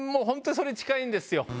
本当それに近いんですよ。